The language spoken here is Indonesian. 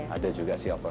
ada juga sih opor